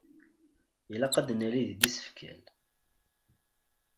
Ilaq ad nali deg isefkal.